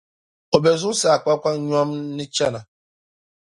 o be zuɣusaa kpakpanyom ni chana.